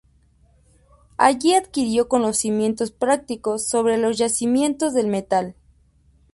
Allí adquirió conocimientos prácticos sobre los yacimientos del metal.